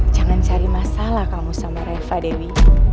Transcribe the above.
jangan cari masalah kamu sama reva dewi